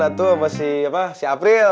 datu sama si apa si april